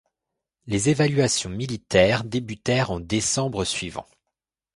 Les évaluations militaires débutèrent en décembre suivant.